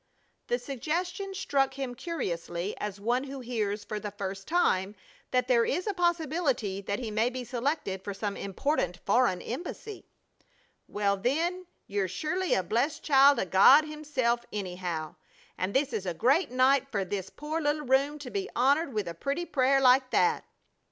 The suggestion struck him curiously as one who hears for the first time that there is a possibility that he may be selected for some important foreign embassy. "Well, then, yer surely a blessed child o' God Himself, anyhow, and this is a great night fer this poor little room to be honored with a pretty prayer like that!"